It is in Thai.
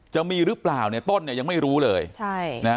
จะมีหรือเปล่าเนี่ยต้นเนี่ยยังไม่รู้เลยใช่นะฮะ